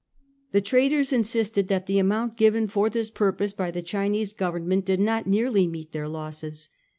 The traders insisted that the amount given for this purpose by the Chinese Government did not nearly meet their losses.